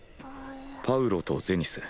パウロとゼニス。